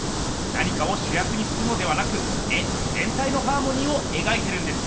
何かをしゅやくにするのではなく絵ぜんたいのハーモニーを描いてるんです！